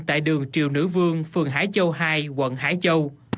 tại đường triều nữ vương phường hải châu hai quận hải châu